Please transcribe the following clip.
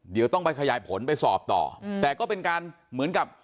เดี๋ยวต้องไปขยายผลไปสอบต่อแต่ก็เป็นการเหมือนกับ